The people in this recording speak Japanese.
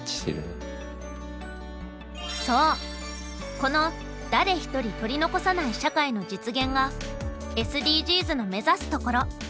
この「誰１人取り残さない社会」の実現がＳＤＧｓの目指すところ。